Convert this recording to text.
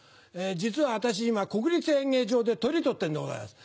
実は私今国立演芸場でトリ取ってんでございます。